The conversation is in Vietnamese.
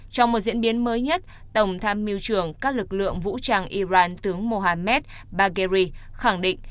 trong một diễn biến mới nhất tổng tham mưu trưởng các lực lượng vũ trang iran tướng mohamed bagheri khẳng định